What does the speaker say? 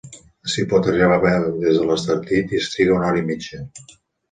S'hi pot arribar a peu des de l'Estartit i es triga una hora i mitja.